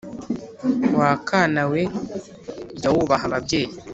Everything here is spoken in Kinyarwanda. Wa kana we, jya wubaha ababyeyi!